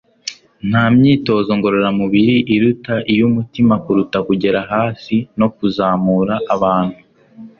nta myitozo ngororamubiri iruta iy'umutima kuruta kugera hasi no kuzamura abantu